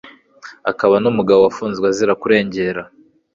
akaba numugabo wafunzwe azira kurengera